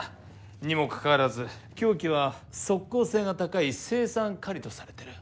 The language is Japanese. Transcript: にもかかわらず凶器は即効性が高い青酸カリとされてる。